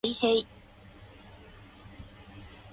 へいへい